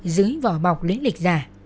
dưới vỏ bọc lĩnh lịch giả